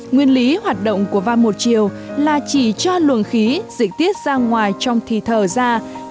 nguyên lý hoạt động của va một chiều là chỉ cho luồng khí dịch tiết ra ngoài trong thi thờ ra